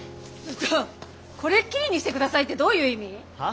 ちょっとこれっきりにしてくださいってどういう意味？は？